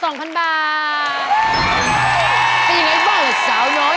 เป็นยังไงบ้างหรอสาวน้อย